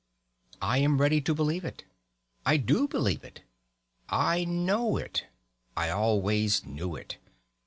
I am ready to believe it. I do believe it. I know it. I always knew it.